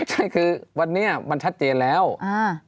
ใช่คือวันนี้มันชัดเจนแล้วอ่า